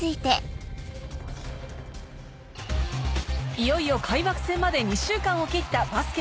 いよいよ開幕戦まで２週間を切ったバスケ